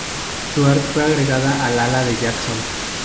Stuart fue agregada al ala de Jackson.